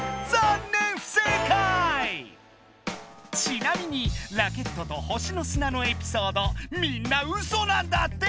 ちなみにラケットと星の砂のエピソードみんなうそなんだって！